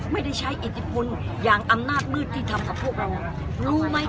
ไม่ได้ใช้อิทธิพลอย่างอำนาจมืดที่ทำกับพวกเรารู้ไหม